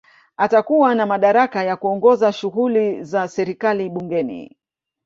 Atakuwa na madaraka ya kuongoza shughuli za serikali Bungeni